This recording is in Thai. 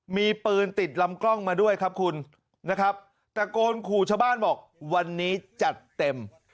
มีปืนติดลำกล้องมาด้วยครับคุณนะครับตะโกนขู่ชาวบ้านบอกวันนี้จัดเต็ม